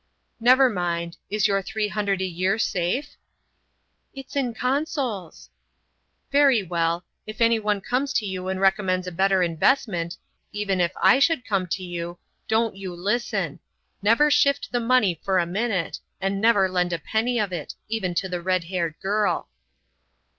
"Never mind. Is your three hundred a year safe?" "It's in Consols." "Very well. If any one comes to you and recommends a better investment,—even if I should come to you,—don't you listen. Never shift the money for a minute, and never lend a penny of it,—even to the red haired girl."